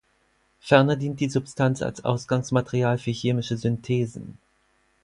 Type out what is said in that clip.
Ferner dient die Substanz als Ausgangsmaterial für chemische Synthesen.